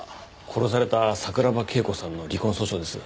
殺された桜庭恵子さんの離婚訴訟です。